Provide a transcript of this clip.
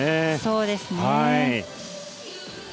そうですね。